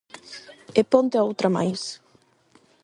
E ponte outra máis.